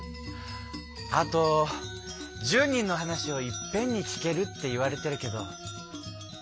あと１０人の話をいっぺんに聞けるっていわれてるけど。